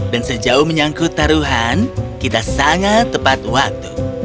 dan sejauh menyangkut taruhan kita sangat tepat waktu